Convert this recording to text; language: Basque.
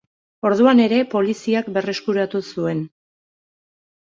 Orduan ere poliziak berreskuratu zuen.